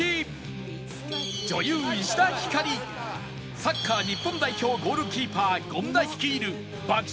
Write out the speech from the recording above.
サッカー日本代表ゴールキーパー権田率いる爆食！